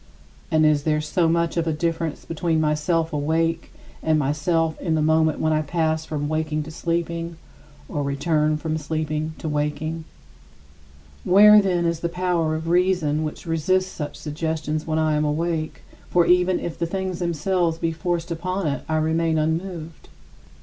And is there so much of a difference between myself awake and myself in the moment when I pass from waking to sleeping, or return from sleeping to waking? Where, then, is the power of reason which resists such suggestions when I am awake for even if the things themselves be forced upon it I remain unmoved?